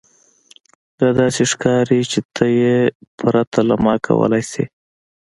دا داسې ښکاري چې ته یې پرته له ما کولی شې